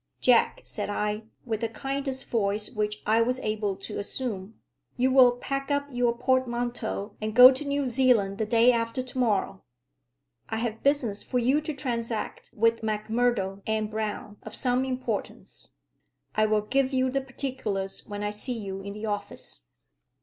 "Jack," said I, with the kindest voice which I was able to assume, "you will pack up your portmanteau and go to New Zealand the day after to morrow. I have business for you to transact with Macmurdo and Brown of some importance. I will give you the particulars when I see you in the office."